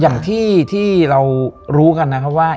อย่างที่เรารู้กันนะครับว่า